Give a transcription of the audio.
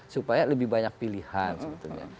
supaya lebih banyak pilihan sebetulnya